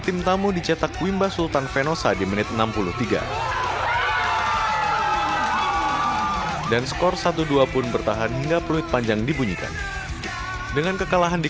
sehar example terdan menindalikan suatu nueva modaized game setiap hari